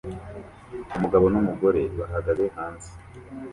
umugabo n'umugore bahagaze hanze